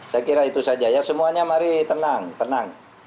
saya kira itu saja ya semuanya mari tenang tenang